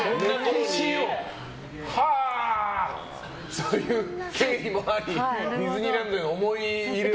そういう経緯もありディズニーランドに思い入れが。